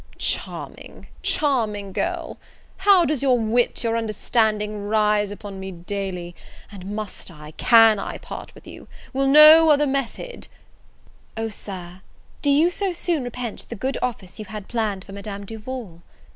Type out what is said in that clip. "Charming, charming girl! how does your wit, your understanding, rise upon me daily: and must I, can I part with you? will no other method " "O, Sir, do you so soon repent the good office you had planned for Madame Duval?"